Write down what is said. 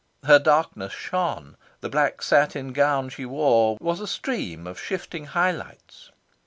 Her darkness shone. The black satin gown she wore was a stream of shifting high lights.